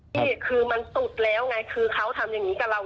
พี่คือมันสุดแล้วไงคือเขาทำอย่างนี้กับเรา